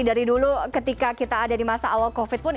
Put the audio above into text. dari dulu ketika kita ada di masa awal covid pun